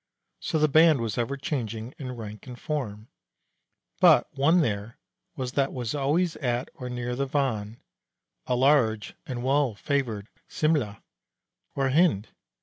So the band was ever changing in rank and form. But one there was that was always at or near the van a large and well favored Simle', or Hind.